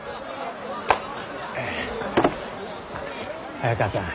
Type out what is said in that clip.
早川さん。